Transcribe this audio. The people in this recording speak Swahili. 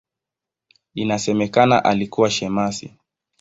Inasemekana alikuwa shemasi.